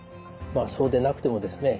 そうでなくてもですね